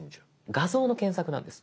画像の検索なんです。